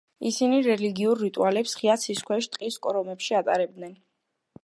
ისინი რელიგიურ რიტუალებს ღია ცის ქვეშ, ტყის კორომებში ატარებდნენ.